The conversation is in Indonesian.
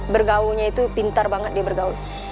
bergau nya itu pintar banget dia bergaul